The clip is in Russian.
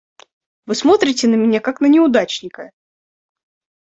Вы смотрите на меня как на неудачника!